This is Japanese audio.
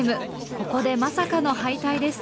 ここでまさかの敗退です。